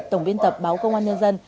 tổng biên tập báo công an nhân dân